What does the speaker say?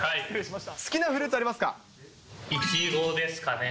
好きなフルーツありますか？